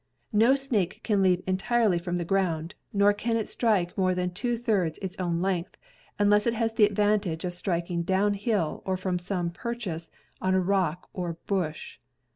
No snake can leap entirely from the ground, nor can it strike more than two thirds its own length, unless it has the advantage of striking down hill or from some purchase on a rock or bush.